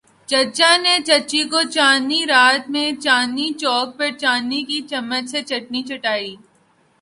چچا نے چچی کو چاندنی رات میں چاندنی چوک پر چاندی کے چمچ سے چٹنی چٹائ۔